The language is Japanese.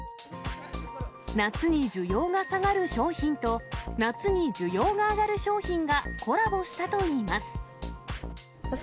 夏に需要が下がる商品と、夏に需要が上がる商品がコラボしたといいます。